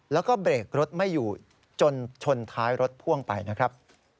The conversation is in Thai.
แล้วก็เบรกรถไม่อยู่จนชนท้ายรถพ่วงไปนะครับ